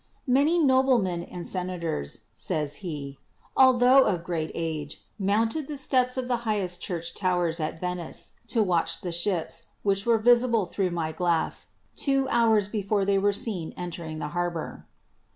"Many noblemen and senators," says he, "altho of great age, mounted the steps of the high est church towers at Venice to watch the ships, which were visible through my glass two hours before they were seen entering the harbor."